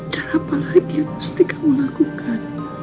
cara apa lagi yang mesti kamu lakukan